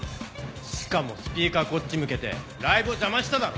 しかもスピーカーこっち向けてライブを邪魔しただろ。